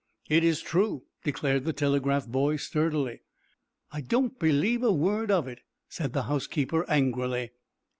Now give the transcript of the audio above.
"It is true!" declared the telegraph boy, sturdily. "I don't believe a word of it," said the housekeeper, angrily.